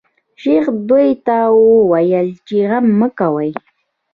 شیخ دوی ته وویل چې غم مه کوی.